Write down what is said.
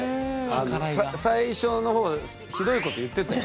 最初のほうヒドいこと言ってたよ。